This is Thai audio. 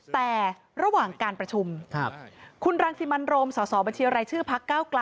แต่ระหว่างการประชุมคุณรังสิบมันโรมสบรชพก